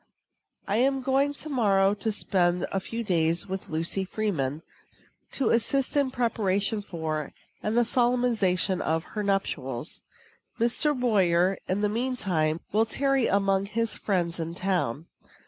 I am going to morrow morning to spend a few days with Lucy Freeman, to assist in the preparation for, and the solemnization of, her nuptials. Mr. Boyer, in the mean time, will tarry among his friends in town.